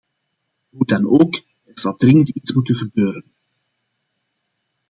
Hoe dan ook, er zal dringend iets moeten gebeuren.